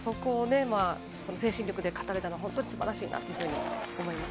精神力で勝たれたのは素晴らしいなと思います。